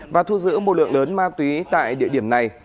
và thu giữ một lượng lớn ma túy tại địa điểm này